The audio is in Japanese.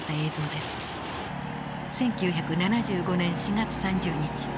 １９７５年４月３０日。